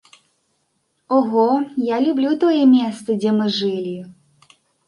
Ого, я люблю тое месца, дзе мы жылі.